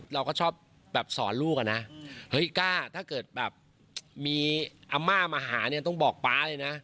เราก็ชอบแบบสอนลูกอะนะเฮ้ยก้าถ้าเกิดแบบมีอาม่ามาหาเนี่ยต้องบอกป๊าเลยนะ